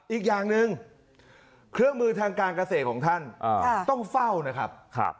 อีกอย่างหนึ่งเครื่องมือทางการเกษตรของท่านต้องเฝ้านะครับ